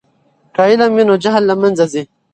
که علم وي نو جهل له منځه ځي.